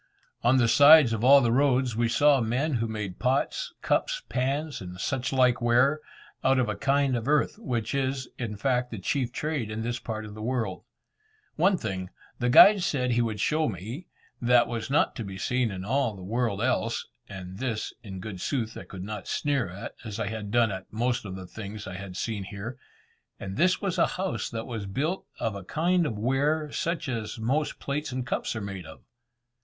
On the sides of all the roads, we saw men who made pots, cups, pans, and such like ware, out of a kind of earth, which is, in fact, the chief trade in this part of the world. One thing, the guide said he would show me, that was not to be seen in all the world else (and this, in good sooth, I could not sneer at, as I had done at most of the things I had seen here), and this was a house that was built of a kind of ware, such as most plates and cups are made of.